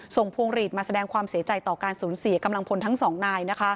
พวงหลีดมาแสดงความเสียใจต่อการสูญเสียกำลังพลทั้งสองนาย